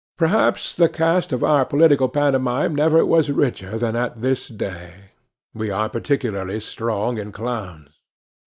Perhaps the cast of our political pantomime never was richer than at this day. We are particularly strong in clowns.